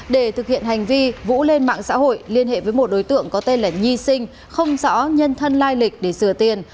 để thực hiện hành vi vũ lên mạng xã hội liên hệ với một đối tượng có tên là nhi sinh không rõ nhân thân lai lịch để sửa tiền